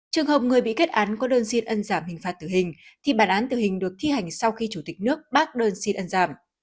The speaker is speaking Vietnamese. trường hợp người bị kết án có đơn xin ân giảm hình phạt tử hình thì bản án tử hình được thi hành sau khi chủ tịch nước bác đơn xin ân giảm